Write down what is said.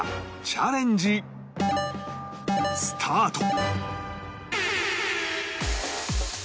チャレンジスタート！